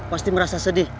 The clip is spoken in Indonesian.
pasti merasa sedih